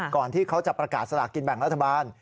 ที่เขาจะประกาศสลากกินแบ่งรัฐบาล